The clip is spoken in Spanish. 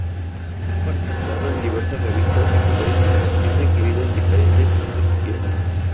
Ha participado en diversas revistas y congresos, siendo incluido en diferentes antologías.